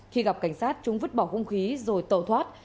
khi gặp cảnh sát chúng vứt bỏ không khí rồi tẩu thoát